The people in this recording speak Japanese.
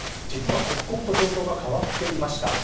実は、刻々と状況が変わっていました。